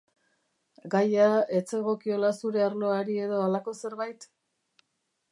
Gaia ez zegokiola zure arloari edo halako zerbait?